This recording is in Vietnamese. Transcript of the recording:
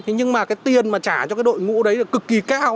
nhưng mà tiền trả cho đội ngũ đấy là cực kỳ cao